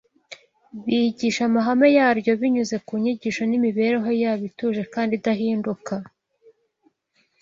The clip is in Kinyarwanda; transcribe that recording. bigishe amahame yaryo, binyuze mu nyigisho n’imibereho yabo ituje kandi idahinduka